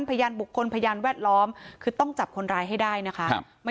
พยานบุคคลพยานแวดล้อมคือต้องจับคนร้ายให้ได้นะคะ